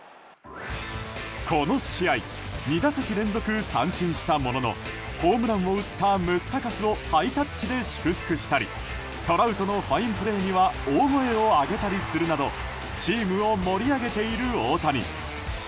この試合２打席連続三振したもののホームランを打ったムスタカスをハイタッチで祝福したりトラウトのファインプレーには大声を上げたりするなどチームを盛り上げている大谷。